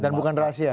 dan bukan rahasia